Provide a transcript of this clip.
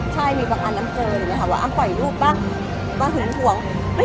คิดว่าคนละมาตากันได้หรือเหรอ